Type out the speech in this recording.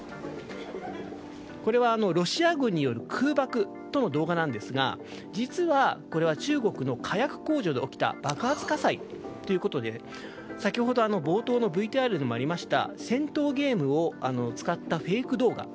これはロシア軍による空爆との動画なんですが実はこれは中国の火薬工場で起きた爆発火災ということで先ほど、冒頭のＶＴＲでもあった戦闘ゲームを使ったフェイク動画。